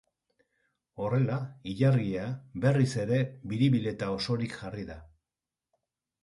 Horrela, ilargia, berriz ere, biribil eta osorik jarri da.